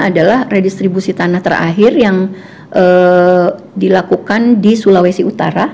adalah redistribusi tanah terakhir yang dilakukan di sulawesi utara